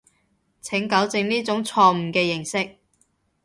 請糾正呢種錯誤嘅認識